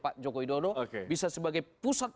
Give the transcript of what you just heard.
pak joko widodo bisa sebagai pusat